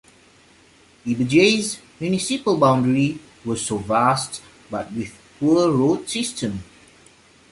Ibajay's municipal boundary was so vast but with poor road system.